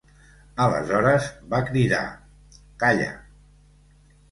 Aleshores va cridar: calla.